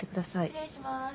失礼します